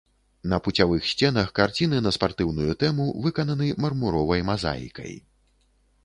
На пуцявых сценах карціны на спартыўную тэму выкананы мармуровай мазаікай.